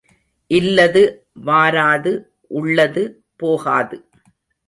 இல்லது வாராது உள்ளது போகாது.